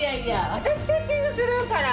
私セッティングするから。